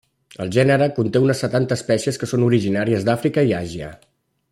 El gènere conté unes setanta espècies que són originàries d'Àfrica i d'Àsia.